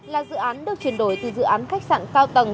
là dự án được chuyển đổi từ dự án khách sạn cao tầng